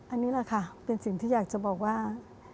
อันนี้แหละค่ะเป็นสิ่งที่อยากจะบอกว่า